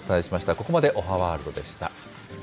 ここまでおはワールドでした。